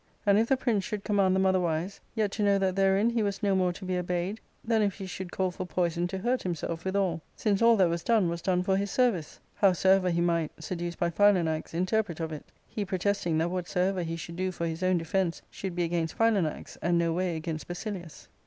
And if the prince should command them otherwise, yet to know that therein he was no more to be obeyed than if he should call for poison to hiurt himself withal, since all that was done was done for his service, howsoever he might — seduced by Phi ax — interpret of it ; he protesting that whatsoever he should do for his own defence should be against Philanax, and no way against Basilius.